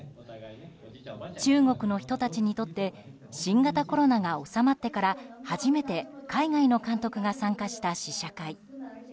中国の人たちにとって新型コロナが収まってから初めて海外の監督が参加した試写会。